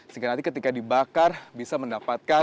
sehingga nanti ketika dibakar bisa mendapatkan